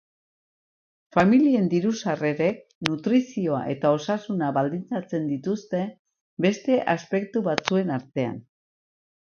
Familien diru-sarrerek nutrizioa eta osasuna baldintzatzen dituzte, beste aspektu batzuen artean.